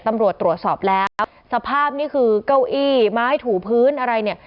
ตำรวจตรวจสอบแล้วสภาพนี่คือเก้าอี้ไม้ถูพื้นอะไรเนี่ย